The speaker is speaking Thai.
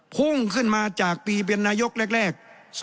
พุ่งขึ้นมาจากปีเป็นนายกแรก